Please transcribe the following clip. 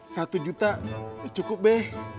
satu juta cukup be